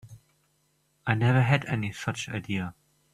I never had any such idea.